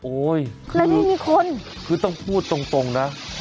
โอ๊ยคือต้องพูดตรงนะ